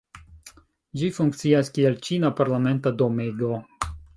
Ĝi funkcias kiel ĉina parlamenta domego.